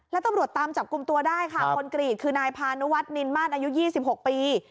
แล้วตำรวจตามจับกลุ่มตัวได้ค่ะคนกรีดคือนายพานุวัฒนินมาตรอายุ๒๖ปี